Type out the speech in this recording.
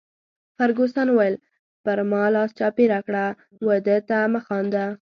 فرګوسن وویل: پر ما لاس چاپیره کړه، وه ده ته مه خاندي.